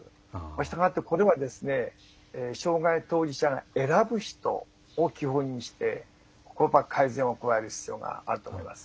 したがってこれは障害当事者が選ぶ人を基本にして改善を加える必要があると思います。